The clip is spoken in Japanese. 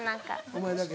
お前だけ。